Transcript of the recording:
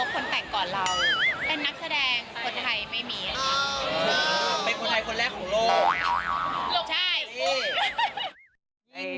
แล้วก็สีภาพเพราะว่าเขาจะได้เอาไปเทียบกับสีชุดเขาอะไรอย่างนี้